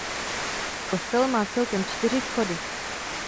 Kostel má celkem čtyři vchody.